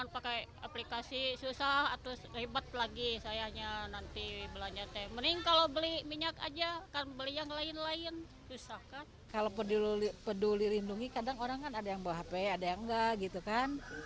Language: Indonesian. pada saat peduli lindungi kadang orang kan ada yang bawa hp ada yang enggak gitu kan